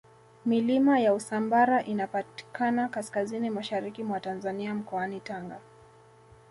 milima ya usambara inapatikana kaskazini mashariki mwa tanzania mkoani tanga